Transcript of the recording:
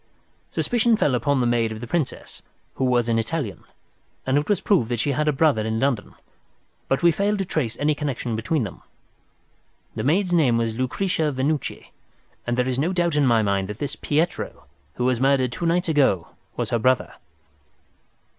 Suspicion fell upon the maid of the Princess, who was an Italian, and it was proved that she had a brother in London, but we failed to trace any connection between them. The maid's name was Lucretia Venucci, and there is no doubt in my mind that this Pietro who was murdered two nights ago was the brother.